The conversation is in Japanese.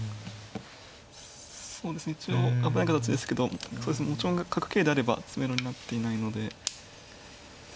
そうですね一応危ない形ですけど持ち駒が角桂であれば詰めろになっていないので。